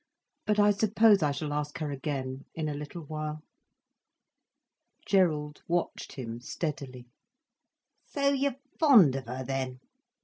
But I suppose I shall ask her again, in a little while." Gerald watched him steadily. "So you're fond of her then?"